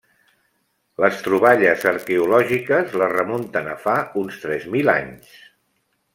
Les troballes arqueològiques la remunten a fa uns tres mil anys.